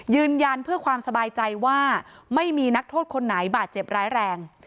ยืนยันเพื่อความสบายใจว่าไม่มีนักโทษคนไหนบาดเจ็บร้ายแรง